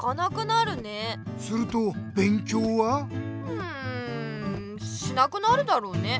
うんしなくなるだろうね。